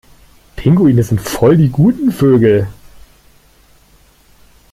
Pinguine sind voll die guten Vögel.